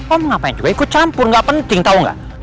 om ngapain juga ikut campur gak penting tau gak